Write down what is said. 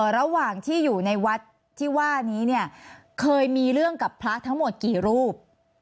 ระหว่างที่อยู่ในวัดที่ว่านี้เนี่ยเคยมีเรื่องกับพระทั้งหมดกี่รูป